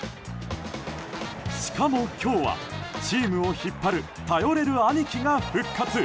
しかも今日はチームを引っ張る頼れる兄貴が復活。